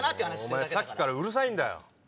お前さっきからうるさいんだよ。